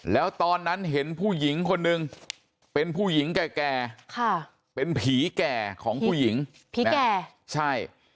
แล้วตอนนั้นเห็นผู้หญิงคนนึงเป็นผู้หญิงแก่เป็นผีแก่ของผู้หญิงผีแก่ใช่